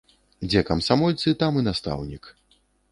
Дзе камсамольцы, там і настаўнік.